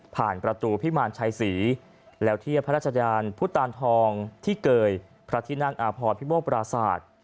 ผ่านประตูพิมารชัยศรีแล้วที่พระราชดาลพุทธาลทองที่เกยพระทินักอาพรพิโมปราสาท